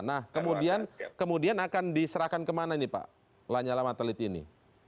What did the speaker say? nah kemudian akan diserahkan kemana ini pak lanyala matelit ini